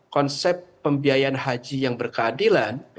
konsep pembiayaan haji yang berkeadilan